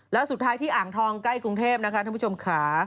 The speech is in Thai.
แล้วสุดท้ายที่อ่างทองใกล้กรุงเทพนะคะท่านผู้ชมค่ะ